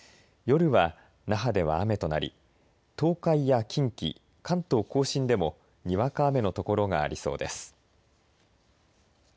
夜は那覇では雨となり東海や近畿関東甲信でもにわか雨の所がありそうです。